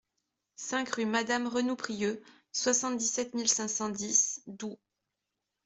cinq rue Madame Renoux Prieux, soixante-dix-sept mille cinq cent dix Doue